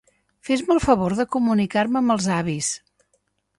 Fes-me el favor de comunicar-me amb els avis.